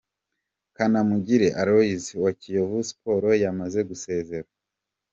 Kanamugire Aloys wa Kiyovu Sports yamaze gusezera.